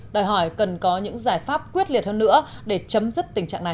đòi hỏi cần có những giải pháp quyết liệt hơn nữa để chấm dứt tình trạng này